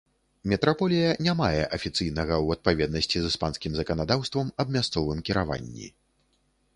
Метраполія не мае афіцыйнага ў адпаведнасці з іспанскім заканадаўствам аб мясцовым кіраванні.